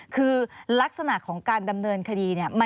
คือลักษณะของการดำเนินคดีเนี่ย